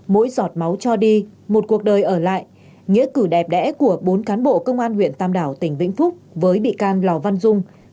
mỗi giọt máu cho đi một cuộc đời ở lại nghĩa cử đẹp đẽ của bốn cán bộ công an huyện tam đảo tỉnh vĩnh phúc với bị can lò văn dung